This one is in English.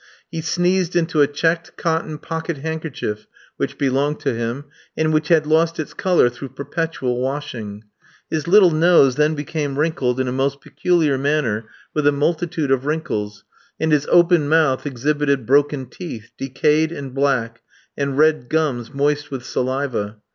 He sneezed into a checked cotton pocket handkerchief which belonged to him, and which had lost its colour through perpetual washing. His little nose then became wrinkled in a most peculiar manner with a multitude of wrinkles, and his open mouth exhibited broken teeth, decayed and black, and red gums moist with saliva.